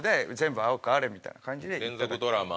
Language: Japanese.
連続ドラマ